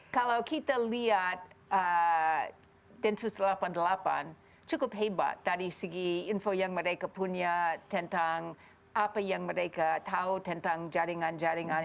kalau kita lihat densus delapan puluh delapan cukup hebat dari segi info yang mereka punya tentang apa yang mereka tahu tentang jaringan jaringan